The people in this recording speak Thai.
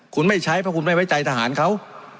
คุณไม่ใช้เพราะคุณไม่ไว้ใจทหารเขา